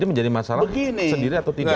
ini menjadi masalah sendiri atau tidak